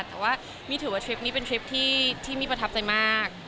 แต่ว่ามี่ถือว่าทริปนี้เป็นทริปที่มี่ประทับใจมาก